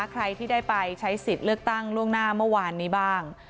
ใครที่ได้ไปใช้สิทธิ์เลือกตั้งล่วงหน้าเมื่อวานนี้บ้าง